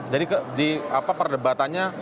jadi di apa perdebatannya